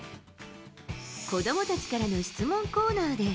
子どもたちからの質問コーナーで。